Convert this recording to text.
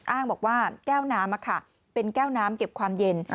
อ้างบอกว่าแก้วน้ำเป็นแก้วน้ำเก็บความเย็น